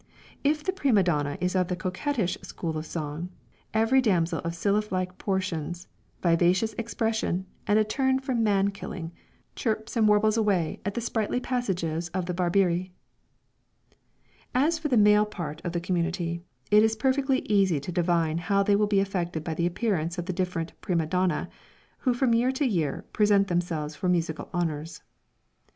If the prima donna is of the coquettish school of song, every damsel of sylph like proportions, vivacious expression, and a turn for man killing, chirps and warbles away in the sprightly passages of the Barbiere. As for the male part of the community, it is perfectly easy to divine how they will be affected by the appearance of the different "prime donne" who from year to year present themselves for musical honors.